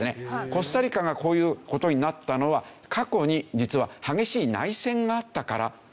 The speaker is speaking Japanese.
コスタリカがこういう事になったのは過去に実は激しい内戦があったからなんですね。